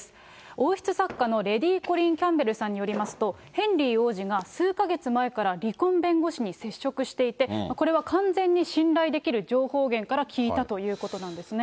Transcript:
王室作家のレディ・コリン・キャンベルさんによりますと、ヘンリー王子が数か月前から離婚弁護士に接触していて、これは完全に信頼できる情報源から聞いたということなんですね。